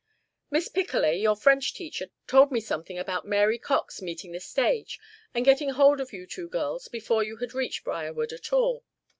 "Miss Picolet, your French teacher, told me something about Mary Cox meeting the stage and getting hold of you two girls before you had reached Briarwood at all."